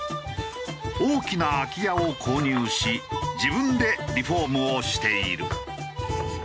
大きな空き家を購入し自分でリフォームをしている。